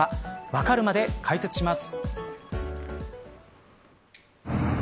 わかるまで解説します。